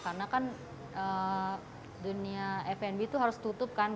karena kan dunia fnb itu harus tutup kan